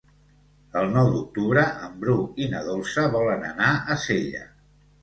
El nou d'octubre en Bru i na Dolça volen anar a Sella.